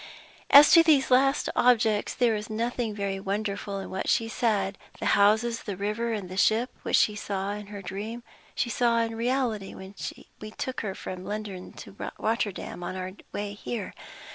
As to these last objects, there is nothing very wonderful in what she said. The houses, the river, and the ship which she saw in her dream, she saw in the reality when we took her from London to Rotterdam, on our way here.